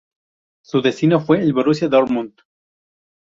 Su destino fue el Borussia Dortmund.